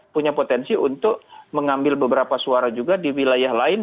punya potensi untuk mengambil beberapa suara juga di wilayah lain